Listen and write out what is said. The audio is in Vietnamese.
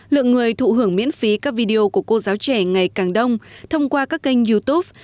lượng người thụ hưởng miễn phí các video của cô giáo trẻ ngày càng đông thông qua các kênh youtube